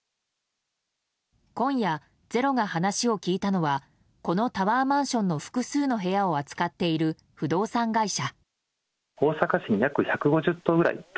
今夜「ｚｅｒｏ」が話を聞いたのはこのタワーマンションの複数の部屋を扱っている不動産会社。